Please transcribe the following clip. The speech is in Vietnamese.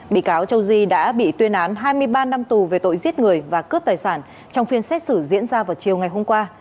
bị cáo châu di đã bị tuyên án hai mươi ba năm tù về tội giết người và cướp tài sản trong phiên xét xử diễn ra vào chiều ngày hôm qua